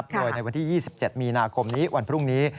โดยในวันที่๒๗มีนาคมนี้วันพรุ่งนี้